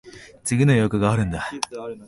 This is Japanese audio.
次の予約があるんだ。